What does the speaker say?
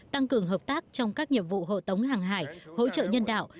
tăng cường hợp tác trong các nhiệm vụ hộ tống hàng hải hỗ trợ nhân đạo